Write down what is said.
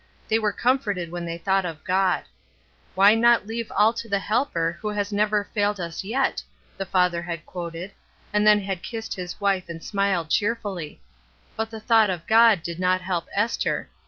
They were comforted when they thought of God. « Why not leave all to the Helper Who never has failed ns yet?" the father had quoted, and then had kissed his wife and smiled cheerfully. But the thought of God did not help Esther.